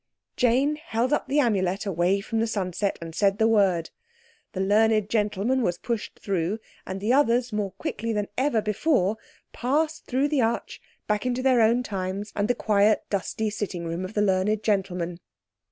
Jane held up the Amulet away from the sunset, and said the word. The learned gentleman was pushed through and the others more quickly than ever before passed through the arch back into their own times and the quiet dusty sitting room of the learned gentleman.